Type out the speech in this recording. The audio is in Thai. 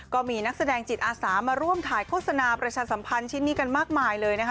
ก็มีนักแสดงจิตอาสามาร่วมถ่ายโฆษณาประชาสัมพันธ์ชิ้นนี้กันมากมายเลยนะคะ